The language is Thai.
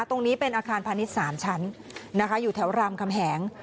ตรงนี้เป็นอาคารพาณิชย์๓ชั้นนะคะอยู่แถวรามคำแหง